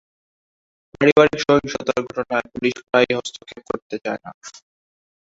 পারিবারিক সহিংসতার ঘটনায় পুলিশ প্রায়ই হস্তক্ষেপ করতে চায় না।